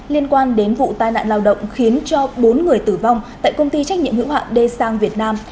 liên quan đến vụ tai nạn lao động khiến cho bốn người tử vong tại công ty trách nhiệm hữu hạn d sang việt nam